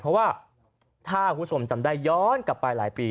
เพราะว่าถ้าคุณผู้ชมจำได้ย้อนกลับไปหลายปี